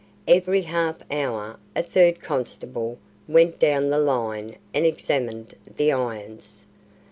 Every half hour a third constable went down the line and examined the irons.